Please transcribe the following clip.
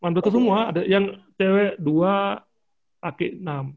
maksudnya semua yang cewek dua pakai enam